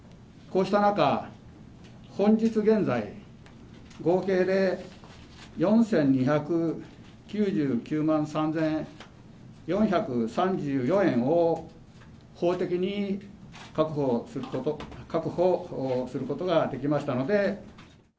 こうした中、本日現在、合計で４２９９万３４３４円を法的に確保することができましたの